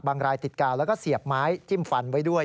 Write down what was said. รายติดกาวแล้วก็เสียบไม้จิ้มฟันไว้ด้วย